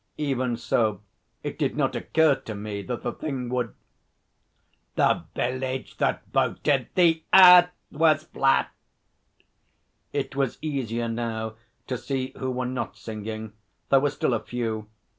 Even so it did not occur to me that the thing would 'The Village that voted the Earth was flat!' It was easier now to see who were not singing. There were still a few.